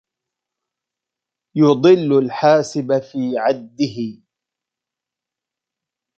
يُضلِّلُ الحاسبَ في عَدِّه